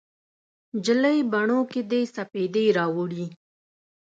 نجلۍ بڼو کې دې سپیدې راوړي